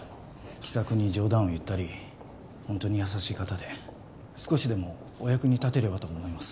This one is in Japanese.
気さくに冗談を言ったりホントに優しい方で少しでもお役に立てればと思います